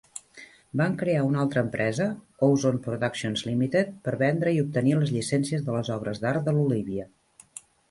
Van crear una altra empresa, Ozone Productions, Limited, per vendre i obtenir les llicències de les obres d'art de l'Olívia.